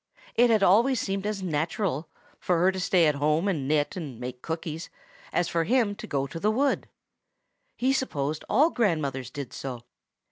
It had always seemed as natural for her to stay at home and knit and make cookies, as for him to go to the wood. He supposed all grandmothers did so.